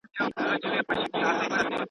o پر زړه لښکري نه کېږي.